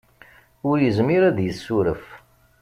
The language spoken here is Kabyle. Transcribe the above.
Ur yezmir ad d-yessuref.